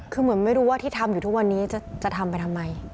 คือเหมือนไม่รู้ว่าที่ทำอยู่ทุกวันนี้จะทำไปทำไม